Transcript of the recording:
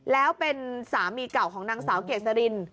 แล้วเป็นสามีเก่าของนางสาวเกษริน